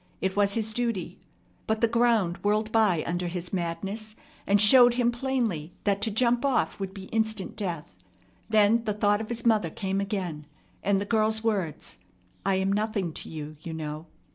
It was his duty. But the ground whirled by under his madness, and showed him plainly that to jump off would be instant death. Then the thought of his mother came again, and the girl's words, "I am nothing to you, you know."